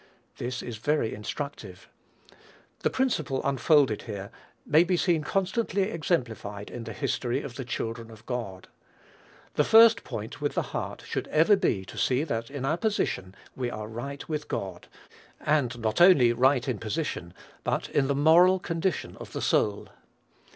This is very instructive. The principle unfolded here may be seen constantly exemplified in the history of the children of God. The first point with the heart should ever be to see that in our position we are right with God, and not only right in position, but in the moral condition of the soul.